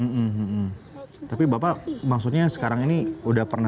yang hanya cek dapat kita warga indonesia ya harus kybjw indonesia di tuned ini iag dia